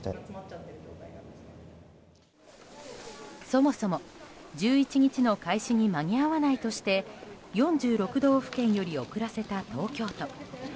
そもそも１１日の開始に間に合わないとして４６道府県より遅らせた東京都。